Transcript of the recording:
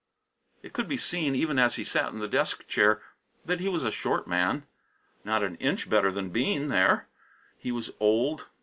It could be seen, even as he sat in the desk chair, that he was a short man; not an inch better than Bean, there. He was old.